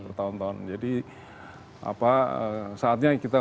bertahun tahun jadi saatnya kita